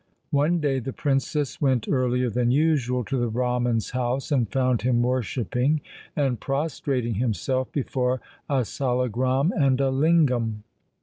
One day the princess went earlier than usual to the Brahman's house and found him worshipping and prostrating himself before a salagram and a lingam.